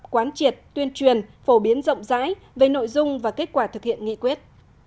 quán triệt tuyên truyền phổ biến rộng rãi về nội dung và kết quả thực hiện nghị quyết